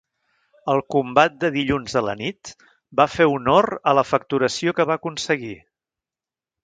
El combat de dilluns a la nit va fer honor a la facturació que va aconseguir.